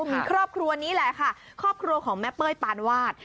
มีครอบครัวนี้แหละค่ะครอบครัวของแม่เป้ยปานวาด